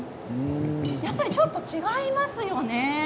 やっぱりちょっと違いますよね。